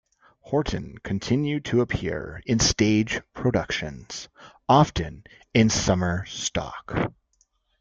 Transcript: Horton continued to appear in stage productions, often in summer stock.